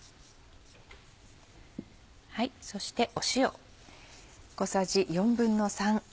そして塩。